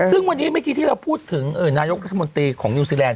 ซึ่งวันนี้เมื่อกี้ที่เราพูดถึงนายกรัฐมนตรีของนิวซีแลน